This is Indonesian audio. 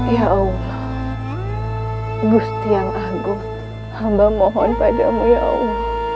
ya allah gusti yang agut hamba mohon padamu ya allah